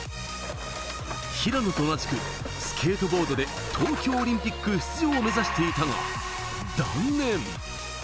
平野と同じくスケートボードで東京オリンピック出場を目指していたが断念。